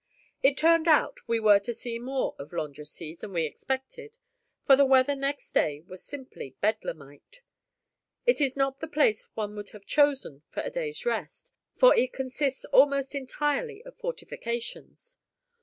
It turned out we were to see more of Landrecies than we expected; for the weather next day was simply bedlamite. It is not the place one would have chosen for a day's rest; for it consists almost entirely of fortifications.